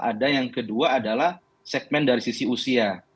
ada yang kedua adalah segmen dari sisi usia